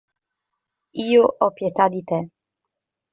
Io ho pietà di te.